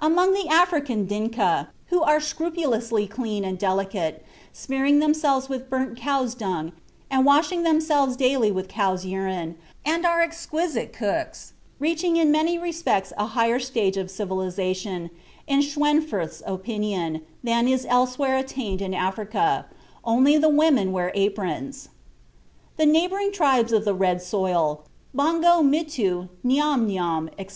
(Sir H.H. Johnston, Kilima njaro Expedition, p. 413.) Among the African Dinka, who are scrupulously clean and delicate (smearing themselves with burnt cows' dung, and washing themselves daily with cows' urine), and are exquisite cooks, reaching in many respects a higher stage of civilization, in Schweinfurth's opinion, than is elsewhere attained in Africa, only the women wear aprons. The neighboring tribes of the red soil Bongo, Mittoo, Niam Niam, etc.